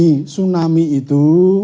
untuk tsunami itu